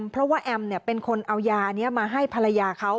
เพราะว่าแอมเป็นคนเอายานี้มาให้ภรรยาเขา